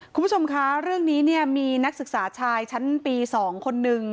คุณผู้ชมคะเรื่องนี้เนี่ยมีนักศึกษาชายชั้นปี๒คนนึง